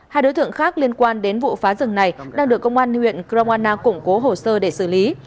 hai đối tượng khác liên quan đến vụ phá rừng này đang được công an huyện kromana củng cố hồ sơ để xử lý